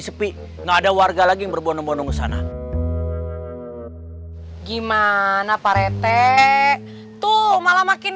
sepi nggak ada warga lagi berbono bono ke sana gimana pak retek tuh malah makin